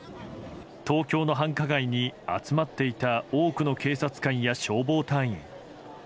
東京の繁華街に集まっていた多くの警察官や消防隊員。